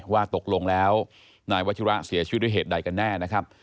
ว่าตกลงแล้วนายวัชิระเสียชีวิตด้วยเหตุใดกันแน่นะครับ